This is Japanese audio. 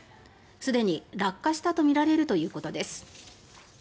すでに落下したとみられるということです。